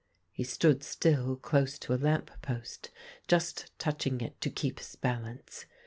He stood still close to a lamp post, just touching it to keep his balance.